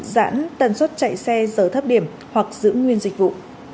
giãn tần suất chạy xe giờ thấp điểm hoặc giữ nguyên dịch vụ